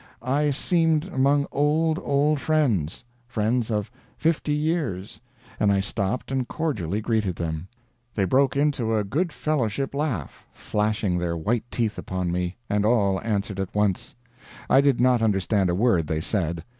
I seemed among old, old friends; friends of fifty years, and I stopped and cordially greeted them. They broke into a good fellowship laugh, flashing their white teeth upon me, and all answered at once. I did not understand a word they said.